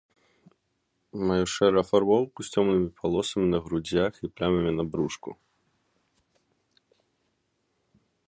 Мае шэрую афарбоўку з цёмнымі палосамі на грудзях і плямамі на брушку.